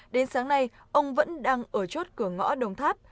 đến sáng nay ông vẫn đang ở chốt cửa ngõ đồng tháp